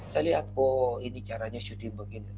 saya lihat oh ini caranya syuting begini